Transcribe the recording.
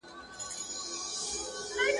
چي تا نه مني داټوله ناپوهان دي.